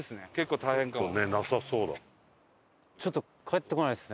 ちょっと帰ってこないですね。